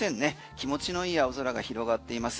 気持ちの良い青空が広がっています。